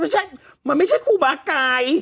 น่ะมันไม่ใช่คู่บากาย